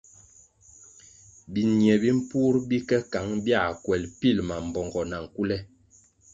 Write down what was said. Biñie mimpur bi ke kăng bia kuel bil mambpongo na nkule.